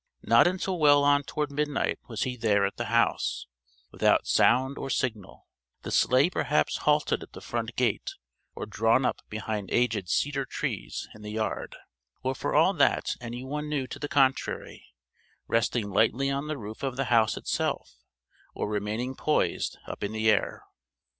Not until well on toward midnight was he there at the house, without sound or signal, the Sleigh perhaps halted at the front gate or drawn up behind aged cedar trees in the yard; or for all that any one knew to the contrary, resting lightly on the roof of the house itself, or remaining poised up in the air.